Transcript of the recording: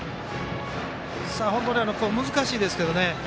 本当に難しいですけどね。